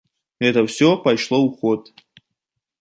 Гэта ўсё пайшло ў ход.